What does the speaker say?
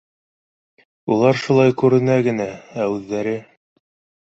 — Улар шулай күренә генә, ә үҙҙәре.